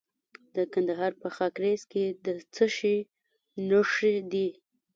د کندهار په خاکریز کې د څه شي نښې دي؟